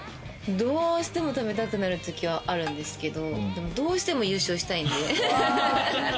どうしても食べたくなるときはあるんですけど、どうしても優勝したいんで。